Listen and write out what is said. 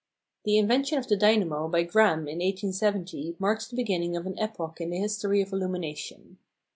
The invention of the dynamo by Gramme in 1870 marks the beginning of an epoch in the history of illumination.